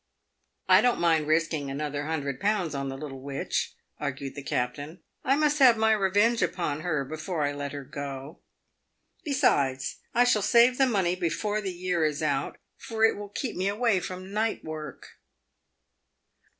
" I don't mind risking another hundred pounds on the little witch," argued the captain. " I must have my revenge upon her before I let her go. Besides, I shall save the money before the year is out, for it will keep me away from night work."